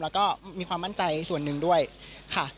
แล้วก็มีความมั่นใจส่วนหนึ่งด้วยค่ะ